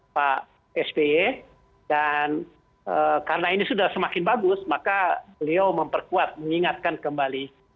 pak sby dan karena ini sudah semakin bagus maka beliau memperkuat mengingatkan kembali